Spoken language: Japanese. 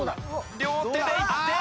両手でいって。